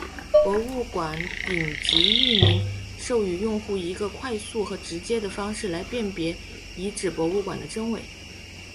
博物馆顶级域名授予用户一个快速和直观的方式来辨别遗址博物馆的真伪。